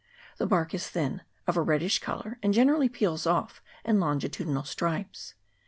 The bark is thin, of a reddish colour, and generally peals off in longitudinal stripes.